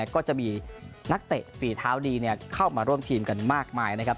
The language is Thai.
ก็จะมีนักเตะฝีเท้าดีเข้ามาร่วมทีมกันมากมายนะครับ